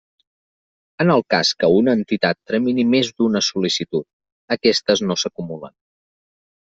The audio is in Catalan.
En el cas que una entitat tramiti més d'una sol·licitud, aquestes no s'acumulen.